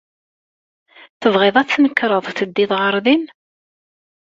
Tebɣiḍ ad tnekṛeḍ teddiḍ ɣer din?